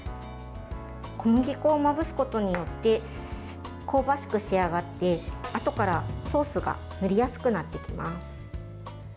小麦粉をまぶすことによって香ばしく仕上がってあとからソースが塗りやすくなってきます。